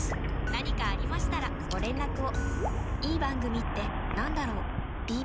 何かありましたらご連絡を。